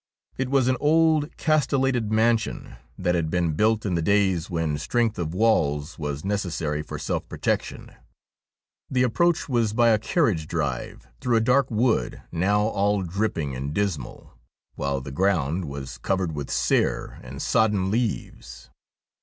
It was an old, castellated mansion that had been built in the days when THE SPECTRE OF BARROCHAN 43 strength of walls was necessary for self protection. The approach was by a carriage drive through a dark wood now all dripping and dismal, while the ground was covered with sere and sodden leaves.